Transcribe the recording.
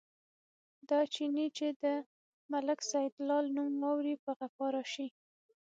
دا چيني چې د ملک سیدلال نوم واوري، په غپا راشي.